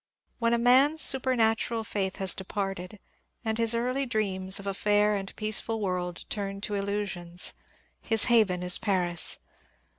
When a man's supernatural &ith has departed, and his early dreams of a fair and peaceful world turned to illusions, his haven is Paris.